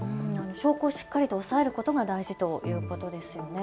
証拠をしっかり押さえることが大事ということですね。